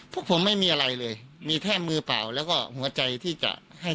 ทุกคนที่บอกว่า